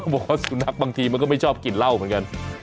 บอกว่าสุนัขบางทีมันก็ไม่ชอบกินเหล้าเหมือนกัน